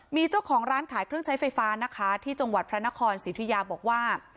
มีเจ้าของร้านขายเครื่องใช้ไฟฟ้านะคะที่จังหวัดพระนครสิทธิยาบอกว่า